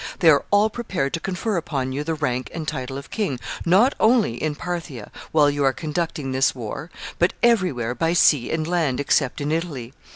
They are all prepared to confer upon you the rank and title of king, not only in Parthia, while you are conducting this war but every where, by sea and land, except in Italy.